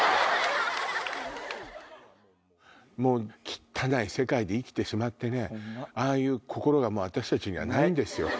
汚い世界で生きてしまってねああいう心がもう私たちにはないんですよ。